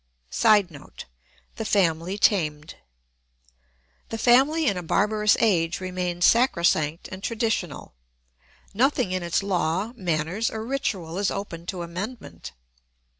[Sidenote: The family tamed.] The family in a barbarous age remains sacrosanct and traditional; nothing in its law, manners, or ritual is open to amendment.